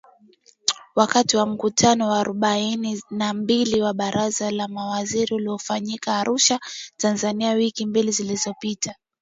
Wakati wa mkutano wa arobaini na mbili wa Baraza la Mawaziri uliofanyika Arusha, Tanzania wiki mbili zilizopita,